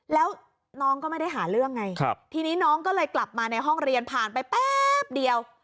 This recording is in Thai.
แล้วน้องก็ไม่ได้หาเรื่องไงทีนี้น้องก็เลยกลับมาในห้องเรียนผ่านไปแป๊บเดียว